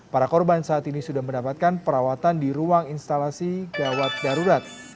para korban saat ini sudah mendapatkan perawatan di ruang instalasi gawat darurat